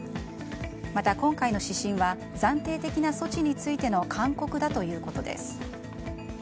また、今回の指針は暫定的な措置についての勧告だということです。